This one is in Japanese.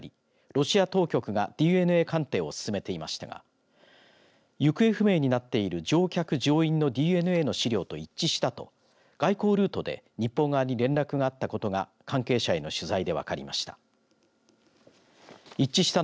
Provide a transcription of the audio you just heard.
ロシア当局がＤＮＡ鑑定を進めていましたが行方不明になっている乗客乗員のＤＮＡの資料と一致したと外交ルートで日本側に連絡があったことが関係者への取材で分かりました。